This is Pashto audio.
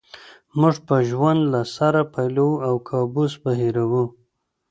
موږ به ژوند له سره پیلوو او کابوس به هېروو